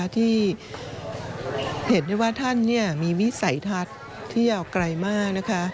ที่เห็นได้ว่าท่านมีวิสัยทัศน์ที่ยาวไกลมากนะคะ